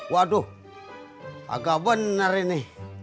waduh agak bener ini